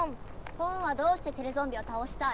ポンはどうしてテレゾンビをたおしたい？